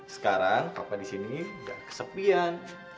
sekarang papa disini gak kesepian